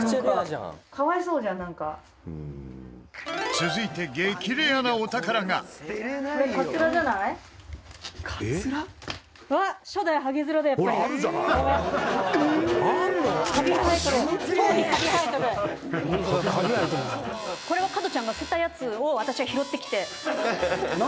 続いて、激レアなお宝が和田：